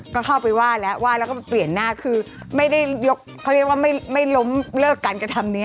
ก็เข้าไปว่าแล้วว่าแล้วก็เปลี่ยนหน้าคือไม่ได้ยกเขาเรียกว่าไม่ล้มเลิกการกระทำนี้